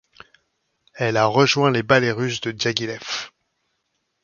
Elle rejoint les ballets Russes de Diaghilev.